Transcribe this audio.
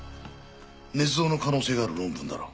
捏造の可能性がある論文だろう？